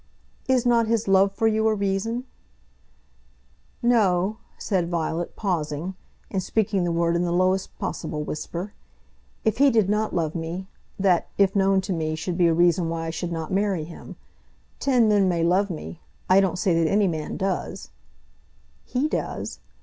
"Is not his love for you a reason?" "No," said Violet, pausing, and speaking the word in the lowest possible whisper. "If he did not love me, that, if known to me, should be a reason why I should not marry him. Ten men may love me, I don't say that any man does " "He does."